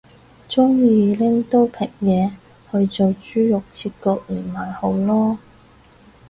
鍾意拎刀劈嘢去做豬肉切割員咪好囉